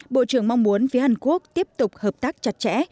bộ trưởng mong muốn phía hàn quốc tiếp tục hợp tác chặt chẽ